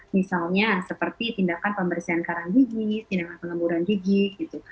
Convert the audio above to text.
misalnya seperti tindakan pembersihan karang gigi tindakan pengemburan gigi gitu